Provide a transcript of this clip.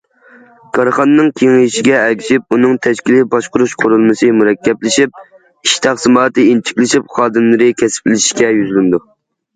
كارخانىنىڭ كېڭىيىشىگە ئەگىشىپ، ئۇنىڭ تەشكىلىي باشقۇرۇش قۇرۇلمىسى مۇرەككەپلىشىپ، ئىش تەقسىماتى ئىنچىكىلىشىپ، خادىملىرى كەسىپلىشىشكە يۈزلىنىدۇ.